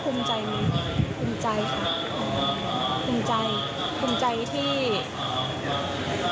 คุณใจคุณใจที่ได้รับพระตรวงงานจากเหล็กพระเจ้าของคุณครับ